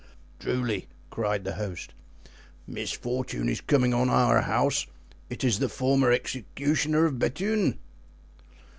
"Truly," cried the host, "misfortune is coming on our house; it is the former executioner of Bethune."